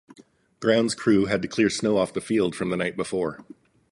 Grounds crew had to clear snow off the field from the night before.